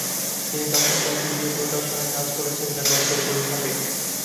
তিনি এখন তার তৃতীয় প্রকাশনায় কাজ করছেন যা গদ্যের বই হবে।